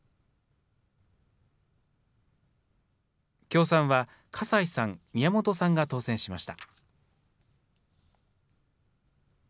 共産は笠井さん、宮本さんが当選しました。